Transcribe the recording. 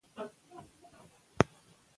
پېټټ انځور د نړۍ د خلکو لپاره خپور کړ.